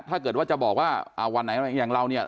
ถ้าเกิดว่าจะบอกว่าวันไหนอย่างเราเนี่ย